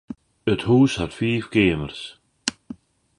It hús hat fiif keamers.